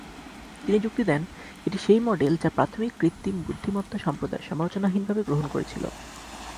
তিনি যুক্তি দেন, এটি সেই মডেল যা প্রাথমিক কৃত্রিম বুদ্ধিমত্তা সম্প্রদায় সমালোচনাহীনভাবে গ্রহণ করেছিল।